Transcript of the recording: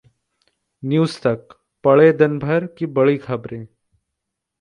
Newstak: पढ़ें दिनभर की बड़ी खबरें